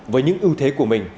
với những ưu thế của mình